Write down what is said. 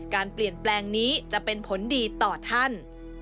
การเปลี่ยนแปลงนี้จะเป็นผลดีต่อท่าน